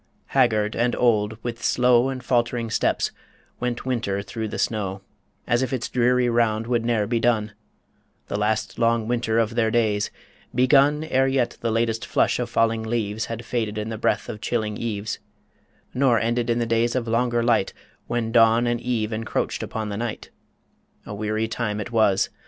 Haggard and old, with slow And falt'ring steps, went Winter through the snow, As if its dreary round would ne'er be done The last long winter of their days begun Ere yet the latest flush of falling leaves Had faded in the breath of chilling eves; Nor ended in the days of longer light, When dawn and eve encroached upon the night A weary time it was!